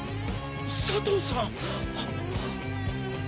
佐藤さん。